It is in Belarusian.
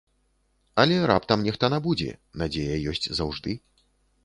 Але раптам нехта набудзе, надзея ёсць заўжды.